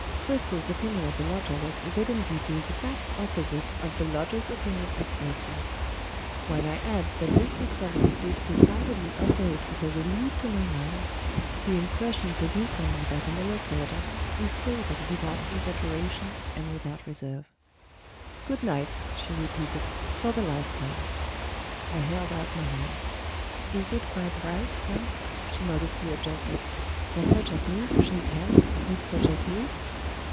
Cristel's opinion of the lodger was evidently the exact opposite of the lodger's opinion of Cristel. When I add that this discovery did decidedly operate as a relief to my mind, the impression produced on me by the miller's daughter is stated without exaggeration and without reserve. "Good night," she repeated, "for the last time." I held out my hand. "Is it quite right, sir," she modestly objected, "for such as me to shake hands with such as you?"